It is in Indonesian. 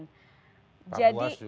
pak buas juga